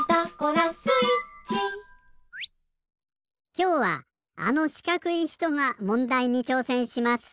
きょうはあのしかくいひとがもんだいにちょうせんします。